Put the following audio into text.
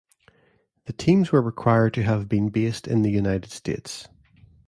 The teams were required to have been based in the United States.